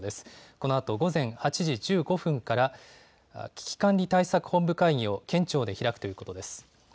このあと午前８時１５分から、危機管理対策本部会議を県庁で開くということです。